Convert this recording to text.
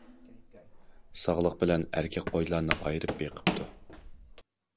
ساغلىق بىلەن ئەركەك قويلارنى ئايرىپ بېقىپتۇ.